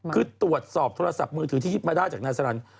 คือตรวจสอบโทรศัพท์มือถือที่ยึดมาได้จากนายสลัน